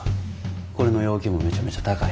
これの要求もめちゃめちゃ高い。